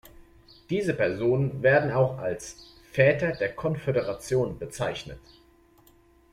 Diese Personen werden auch als „Väter der Konföderation“ bezeichnet.